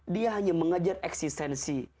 dia hanya mengajar eksistensi